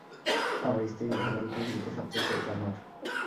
আমার স্ত্রীর ধারণা, এই পৃথিবীতে সবচেয়ে চোখ আমার।